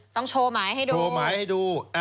ต้องโชว์หมายให้ดู